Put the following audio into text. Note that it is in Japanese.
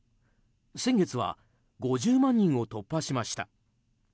先月は５０万人を突破しました。